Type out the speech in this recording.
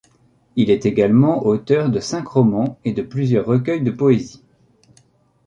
Il est également auteur de cinq romans et de plusieurs recueils de poésie.